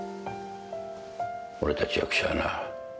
俺たち役者はな